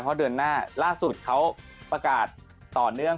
เพราะเดือนหน้าล่าสุดเขาประกาศต่อเนื่อง